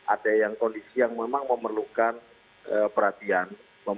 ada yang kondisi yang memang memerlukan perhatian